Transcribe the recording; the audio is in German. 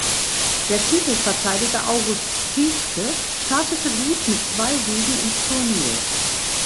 Der Titelverteidiger August Tiedtke startete gut mit zwei Siegen ins Turnier.